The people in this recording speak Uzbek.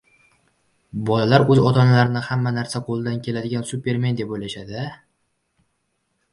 Bolalar oʻz otalarini hamma narsa qoʻlidan keladigan Supermen deb oʻylashadi a?